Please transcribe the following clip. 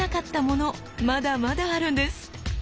まだまだあるんです。